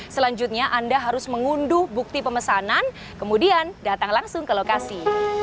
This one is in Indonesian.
selanjutnya anda harus mengunduh bukti pemesanan kemudian datang langsung ke lokasi